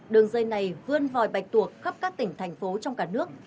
đường dây này vươn vòi bạch tuộc khắp các tỉnh thành phố trong cả nước